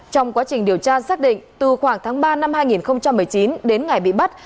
trong quá trình điều tra xác định từ khoảng tháng ba năm hai nghìn một mươi chín đến ngày bị bắt